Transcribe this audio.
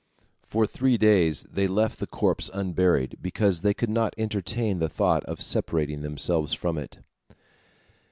For three days they left the corpse unburied, because they could not entertain the thought of separating themselves from it.